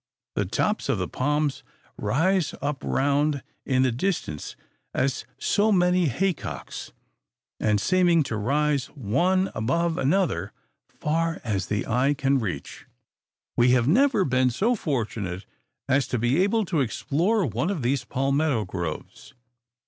The tops of the palms rise up round in the distance as so many hay cocks, and seeming to rise one above another far as the eye can reach. We have never been so fortunate as to be able to explore one of these palmetto groves.